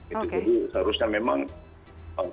itu jadi seharusnya memang